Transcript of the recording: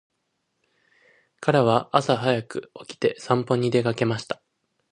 彼は朝早く起きて散歩に出かけました。